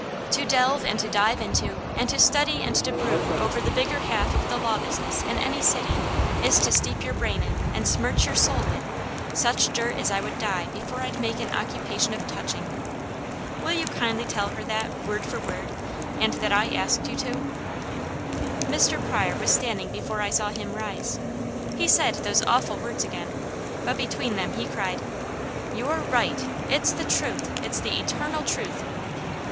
To delve and to dive into, and to study and to brood over the bigger half of the law business of any city is to steep your brain in, and smirch your soul with, such dirt as I would die before I'd make an occupation of touching. Will you kindly tell her that word for word, and that I asked you to?" Mr. Pryor was standing before I saw him rise. He said those awful words again, but between them he cried: "You're right! It's the truth! It's the eternal truth!"